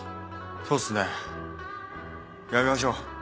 そうっすねやめましょう。